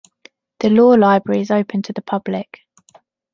The Law Library is open to the public.